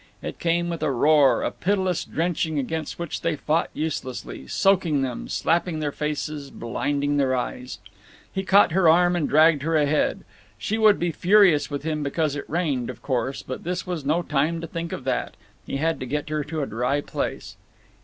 It came with a roar, a pitiless drenching against which they fought uselessly, soaking them, slapping their faces, blinding their eyes. He caught her arm and dragged her ahead. She would be furious with him because it rained, of course, but this was no time to think of that; he had to get her to a dry place.